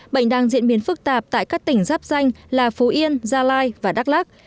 bệnh đang diễn biến phức tạp tại các tỉnh giáp danh là phú yên gia lai và đắk lắc